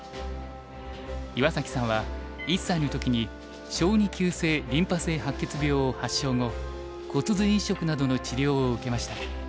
岩崎さんは１歳の時に小児急性リンパ性白血病を発症後骨髄移植などの治療を受けました。